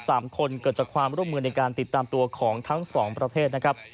สามคนเกิดจากความร่วมมือในการติดตามตัวของทั้งสองประเทศนะครับ